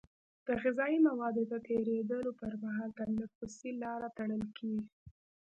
د غذایي موادو د تیرېدلو پر مهال تنفسي لاره تړل کېږي.